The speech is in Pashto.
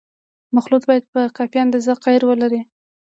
مخلوط باید په کافي اندازه قیر ولري